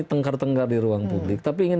tengkar tenggar di ruang publik tapi ingin